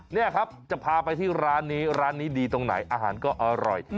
นี่ครับจะพาไปที่ร้านนี้ร้านนี้ดีตรงไหนอาหารก็อร่อย